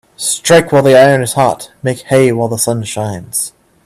Strike while the iron is hot Make hay while the sun shines